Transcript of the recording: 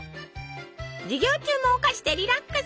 授業中もお菓子でリラックス！